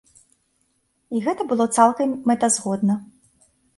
І гэта было цалкам мэтазгодна.